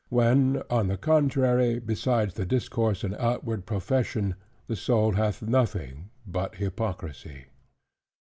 when on the contrary, besides the discourse and outward profession, the soul hath nothing but hypocrisy.